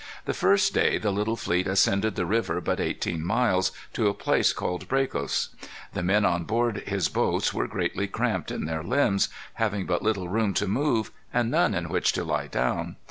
The first day the little fleet ascended the river but eighteen miles, to a place called Bracos. The men on board his boats were greatly cramped in their limbs, having but little room to move, and none in which to lie down.